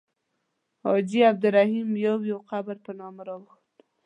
حاجي عبدالرحیم یو یو قبر په نامه راښود.